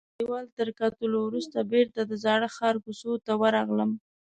د ژړا دیوال تر کتلو وروسته بیرته د زاړه ښار کوڅو ته ورغلم.